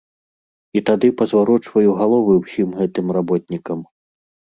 І тады пазварочваю галовы ўсім гэтым работнікам.